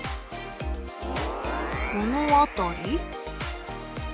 この辺り？